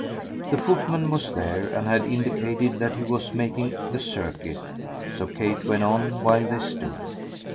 The footman was there and had indicated that he was making the circuit; so Kate went on while they stood.